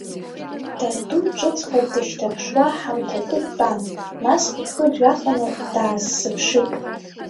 Даду ҿыцха дышьҭаԥшуа ҳамҭакы дтәан, нас ихы дҩаханы даасзыԥшит.